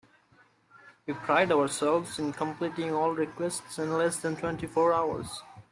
We pride ourselves in completing all requests in less than twenty four hours.